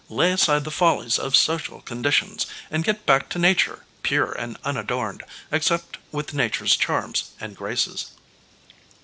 Lay aside the follies of social conditions, and get back to nature, pure and unadorned, except with nature's charms and graces.